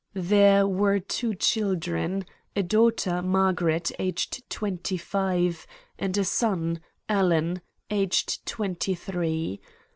"There were two children, a daughter, Margaret, aged twenty five, and a son, Alan, aged twenty three.